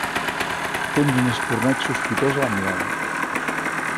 Tens un espurneig sospitós a la mirada.